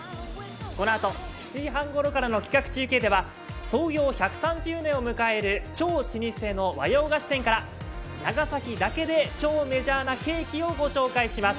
このあと７時半ごろからの企画中継では創業１３０年を迎える超老舗の和洋菓子店から長崎だけで超メジャーなケーキをご紹介します。